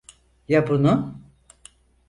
Ya bunu?